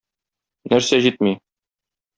Нәрсә җитми?